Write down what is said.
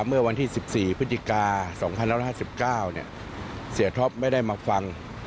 เมื่อวันที่๑๔พฤติกาสองพันร้านห้าสิบเก้าเสียท็อปไม่ได้มาฟัง